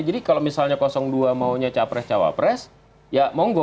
jadi kalau misalnya dua maunya capres cawapres ya monggo